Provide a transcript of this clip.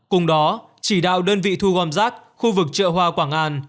cùng đó chỉ đạo đơn vị thu gom rác khu vực chợ hoa quảng an